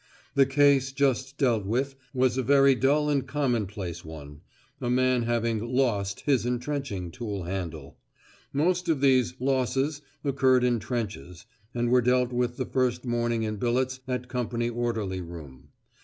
The case just dealt with was a very dull and commonplace one, a man having "lost" his entrenching tool handle. Most of these "losses" occurred in trenches, and were dealt with the first morning in billets at company orderly room.